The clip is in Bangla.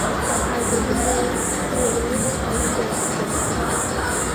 আর, যদি বেরোই তা হলে গ্রন্থি কেটে তবে বেড়িয়ে পড়ব।